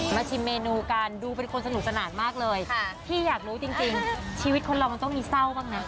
ชิมเมนูกันดูเป็นคนสนุกสนานมากเลยพี่อยากรู้จริงชีวิตคนเรามันต้องมีเศร้าบ้างนะ